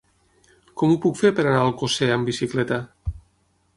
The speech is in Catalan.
Com ho puc fer per anar a Alcosser amb bicicleta?